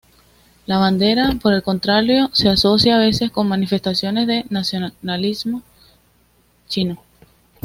La bandera, por el contrario, se asocia a veces con manifestaciones de nacionalismo chino.